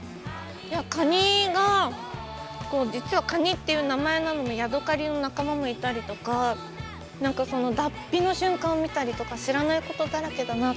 カニが実はカニっていう名前なのにヤドカリの仲間がいたりとかなんか脱皮の瞬間を見たりとか知らないことだらけだなと思いました。